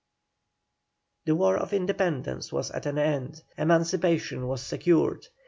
The war of independence was at an end, emancipation was secured.